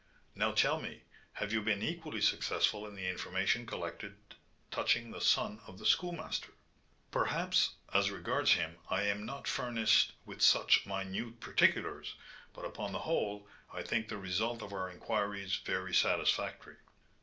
Now tell me, have you been equally successful in the information collected touching the son of the Schoolmaster?" "Perhaps, as regards him, I am not furnished with such minute particulars; but, upon the whole, I think the result of our inquiries very satisfactory."